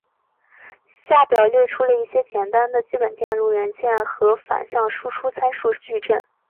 下表列出了一些简单的基本电路元件的反向传输参数矩阵。